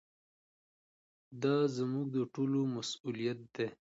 دا زموږ د ټولو مسؤلیت دی.